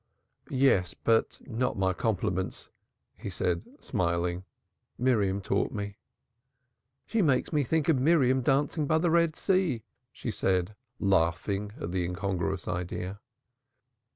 "Yes but not my compliments," he said smiling. "Miriam taught me." "She makes me think of Miriam dancing by the Red Sea," she said, laughing at the incongruous idea.